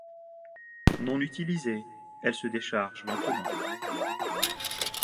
Non utilisées, elles se déchargent lentement.